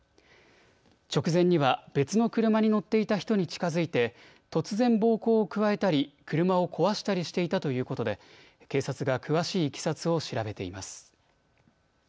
直前には別の車に乗っていた人に近づいて突然暴行を加えたり、車を壊したりしていたということで警察が詳しいいきさつを調べています。